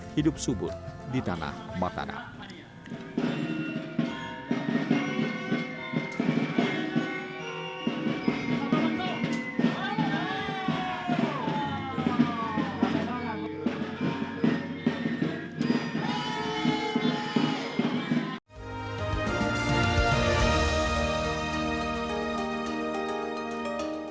hidup subuh di tanah mataram